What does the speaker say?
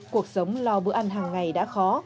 cuộc sống lo bữa ăn hàng ngày đã khó